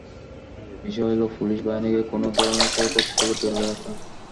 মূল বিষয় হলো, পুলিশ বাহিনীকে কোনো ধরনের ক্ষয়ক্ষতি থেকে দূরে রাখা।